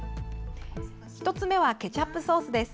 １つ目はケチャップソースです。